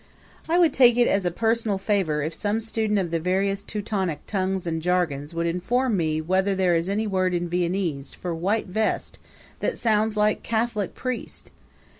I would take it as a personal favor if some student of the various Teutonic tongues and jargons would inform me whether there is any word in Viennese for white vest that sounds like Catholic priest!